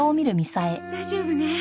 大丈夫ね。